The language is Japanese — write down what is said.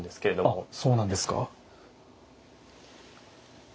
あそうなんですか。